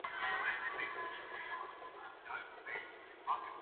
بینا